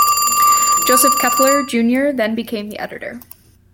Joseph Keppler Junior then became the editor.